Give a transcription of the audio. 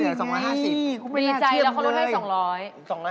นี่ผมไม่แน่เทียมเลยบรีไฟล์แล้วเขาก็ล่วงให้๒๐๐